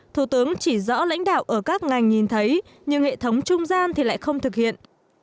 thủ tướng chỉ rõ lãnh đạo ở các ngành nhìn thấy nhưng hệ thống trung gian thì lại không thực hiện